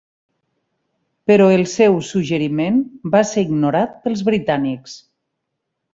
Però el seu suggeriment va ser ignorat pels britànics.